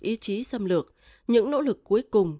ý chí xâm lược những nỗ lực cuối cùng